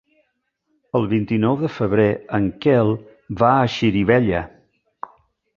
El vint-i-nou de febrer en Quel va a Xirivella.